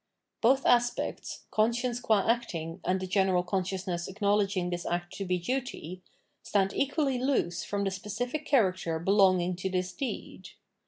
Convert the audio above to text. Both aspects, conscience qua acting, and the general consciousness acknowledging this act to be duty, stand equally loose from the specific character belonging to this deed.